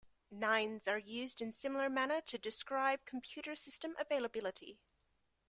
Nines are used in a similar manner to describe computer system availability.